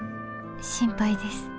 心配です。